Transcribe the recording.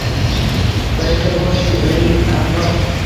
Birida bor shu’lai aflok.